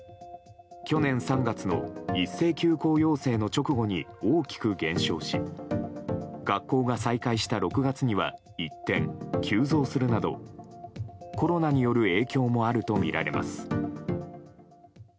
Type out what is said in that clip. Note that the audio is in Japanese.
去年３月の一斉休校要請の直後に大きく減少し学校が再開した６月には一転急増するなどコロナによる影響もあるとみられます。